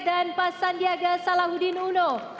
dan pak sandiaga salahuddin uno